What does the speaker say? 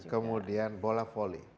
kemudian bola volley